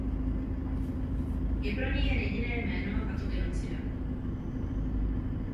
Je pro něj jen jediné jméno, a to genocida.